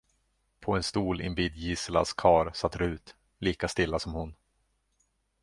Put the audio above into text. På en stol invid Giselas kar satt Rut, lika stilla som hon.